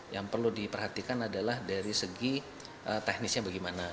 yang perlu diperhatikan adalah dari segi teknisnya bagaimana